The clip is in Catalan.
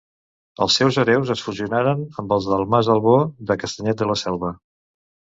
Els seus hereus es fusionaren amb els del mas Albó de Castanyet de la Selva.